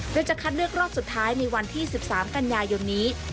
โดยจะคัดเลือกรอบสุดท้ายในวันที่๑๓กันยายนนี้